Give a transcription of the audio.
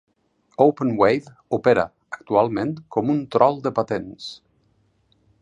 Openwave opera actualment com un trol de patents.